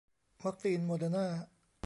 วัคซีนโมเดอร์นา